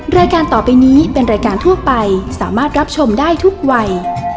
รายการต่อไปนี้เป็นรายการทั่วไปสามารถรับชมได้ทุกวัย